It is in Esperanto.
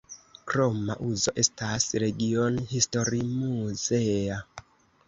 Kroma uzo estas regionhistorimuzea.